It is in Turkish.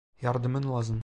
Yardımın lazım.